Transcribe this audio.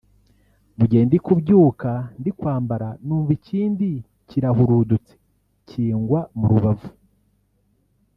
mu gihe ndi kubyuka ndi kwambara numva ikindi kirahurudutse kingwa mu rubavu